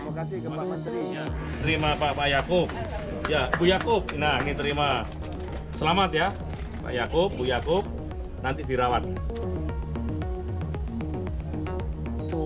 terima pak yaakob bu yaakob selamat ya pak yaakob bu yaakob nanti dirawat